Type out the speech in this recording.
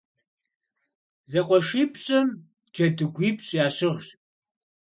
ЗэкъуэшипщӀым джэдыгуипщӀ ящыгъщ.